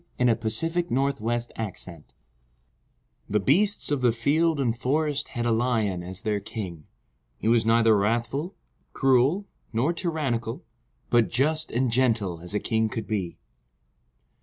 The Kingdom of the Lion THE BEASTS of the field and forest had a Lion as their king. He was neither wrathful, cruel, nor tyrannical, but just and gentle as a king could be.